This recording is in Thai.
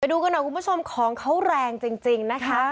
ดูกันหน่อยคุณผู้ชมของเขาแรงจริงนะคะ